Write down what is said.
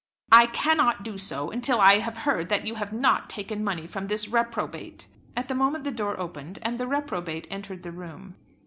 "I cannot do so until I have heard that you have not taken money from this reprobate." At the moment the door opened, and the reprobate entered the room.